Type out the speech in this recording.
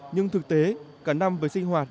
nhưng thực tế cả năm với sinh hoạt